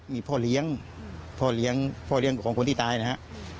มีพ่อเลี้ยงพ่อเลี้ยงของคนที่ตายนะฮะ